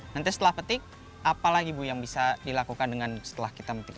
nanti setelah petik apa lagi yang bisa dilakukan setelah kita petik